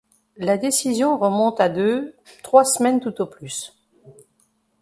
La décision remonte à deux, trois semaines, tout au plus.